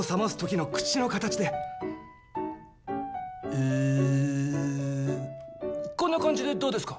「ウー」こんな感じでどうですか？